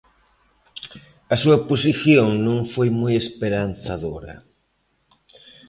A súa posición non foi moi esperanzadora.